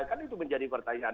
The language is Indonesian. kan itu menjadi pertanyaan